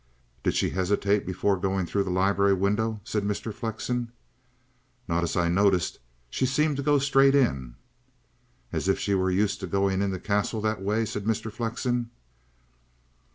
"Did she hesitate before going through the library window?" said Mr. Flexen. "Not as I noticed. She seemed to go straight in." "As if she were used to going into the Castle that way?" said Mr. Flexen.